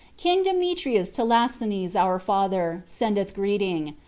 'King Demetrus to Lasthenes our father, sendeth greeting.